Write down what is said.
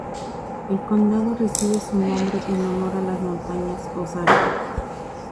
El condado recibe su nombre en honor a las Montañas Ozark.